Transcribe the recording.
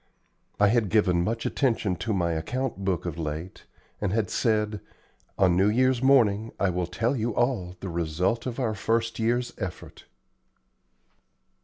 I had given much attention to my account book of late, and had said, "On New Year's morning I will tell you all the result of our first year's effort."